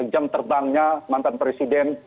jam terbangnya mantan presiden